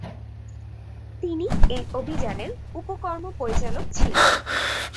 তিনি এই অভিযানের উপ কর্ম পরিচালক ছিলেন।